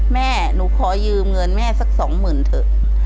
แม่หนูขอยืมเงินแม่สักสองหมื่นเถอะ